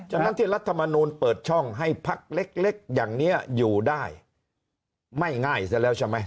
ฉะนั้นที่รัฐมนูลเปิดช่องให้พักเล็กอย่างนี้อยู่ได้ไม่ง่ายซะแล้วใช่ไหม